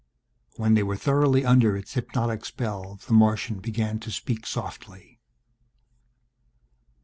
When they were thoroughly under its hypnotic spell the Martian began to speak softly